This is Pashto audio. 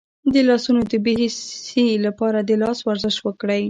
د لاسونو د بې حسی لپاره د لاس ورزش وکړئ